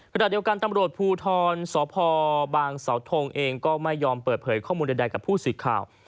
ขณะเดียวกันตำรวจภูทรสพบางสาวทงเองก็ไม่ยอมเปิดเผยข้อมูลใดกับผู้สื่อข่าว